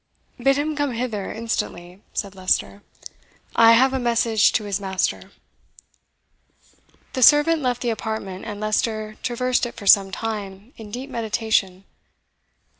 "Bid him come hither instantly," said Leicester; "I have a message to his master." The servant left the apartment, and Leicester traversed it for some time in deep meditation.